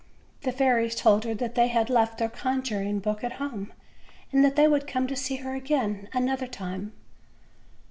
The fairies told her that they had left their conjuring book at home, and that they would come to see her again another time.